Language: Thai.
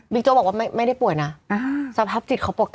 โจ๊กบอกว่าไม่ได้ป่วยนะสภาพจิตเขาปกติ